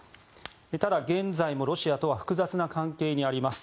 ただ、現在もロシアとは複雑な関係にあります。